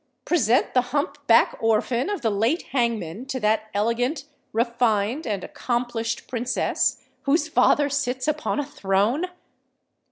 present the hump back orphan of the late hangman to that elegant, refined, and accomplished Princess whose father sits upon a throne!"